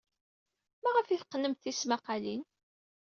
Maɣef ay teqqnemt tismaqqalin?